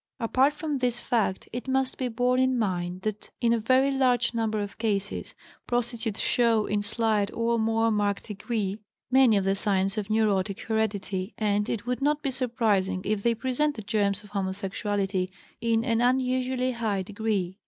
Apart from this fact it must be borne in mind that, in a very large number of cases, prostitutes show in slight or more marked degree many of the signs of neurotic heredity, and it would not be surprising if they present the germs of homosexuality in an unusually high degree.